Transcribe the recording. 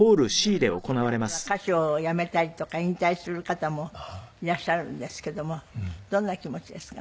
でも同世代では歌手を辞めたりとか引退する方もいらっしゃるんですけどもどんな気持ちですか？